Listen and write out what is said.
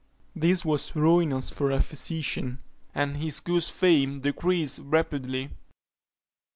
This was ruinous for a physician, and his good fame decreased rapidly.